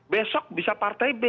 besok bisa partai b